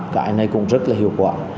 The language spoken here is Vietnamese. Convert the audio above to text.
cái này cũng rất là hiệu quả